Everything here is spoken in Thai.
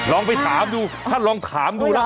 ลองไปถามดูท่านลองถามดูนะ